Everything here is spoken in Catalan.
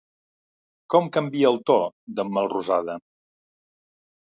Com canvia el to d'en Melrosada?